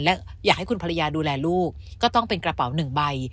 และอยากให้คุณภรรยาดูแลลูกก็ต้องเป็นกระเป๋าหนึ่งใบ